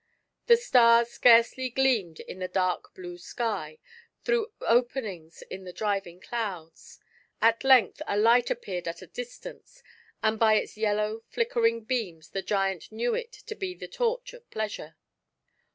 The stars scarcely gleamed in the dark blue sky, through openings in the driving clouds. At length a light appeared at a distance, and by its yellow, flickering beams the giant knew it to be the torch of Pleasure.